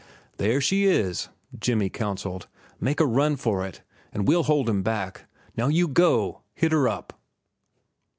"There she is," Jimmy counselled. "Make a run for it, an' we'll hold 'em back. Now you go! Hit her up!"